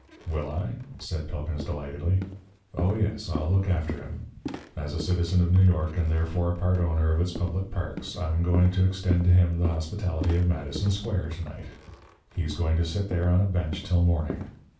"Will I?" said Pilkins, delightedly. "Oh yes, I'll look after him! As a citizen of New York, and therefore a part owner of its public parks, I'm going to extend to him the hospitality of Madison Square to night. He's going to sit there on a bench till morning.